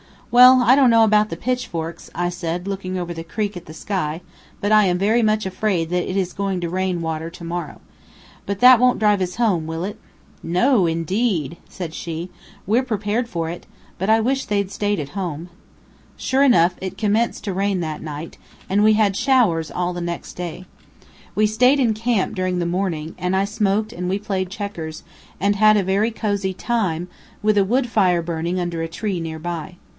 "Well, I don't know about the pitchforks," I said, looking over the creek at the sky; "but am very much afraid that it is going to rain rain water to morrow. But that won't drive us home, will it?" "No, indeed!" said she. "We're prepared for it. But I wish they'd staid at home." Sure enough, it commenced to rain that night, and we had showers all the next day. We staid in camp during the morning, and I smoked and we played checkers, and had a very cosy time, with a wood fire burning under a tree near by.